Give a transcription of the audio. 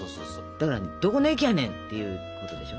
だからどこの駅やねんっていうことでしょ？